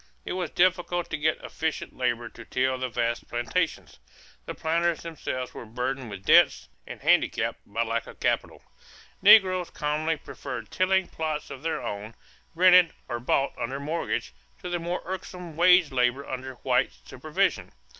It was difficult to get efficient labor to till the vast plantations. The planters themselves were burdened with debts and handicapped by lack of capital. Negroes commonly preferred tilling plots of their own, rented or bought under mortgage, to the more irksome wage labor under white supervision.